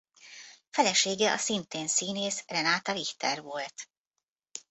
Felesége a szintén színész Renate Richter volt.